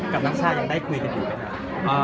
กับดังชาติได้คุยกันอยู่เปล่า